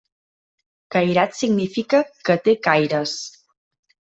Cairat significa 'que té caires'.